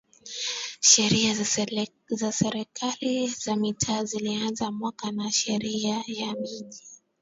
Sheria ya Serikali za Mitaa zilianza mwaka na Sheria ya Miji